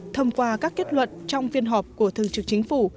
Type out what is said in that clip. thông qua các kết luận trong phiên họp của thường trực chính phủ